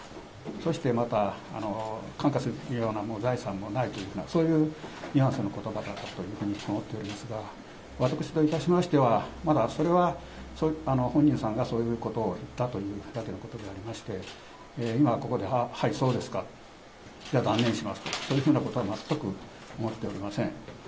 そしてまた、換価するような財産もないというふうな、そういうニュアンスのことばだったというふうに伺っておりますが、私といたしましては、まだそれは、本人さんがそういうことを言ったというだけのことでありまして、今ここで、はい、そうですか、じゃあ断念しますと、そういうふうなことは全く思っておりません。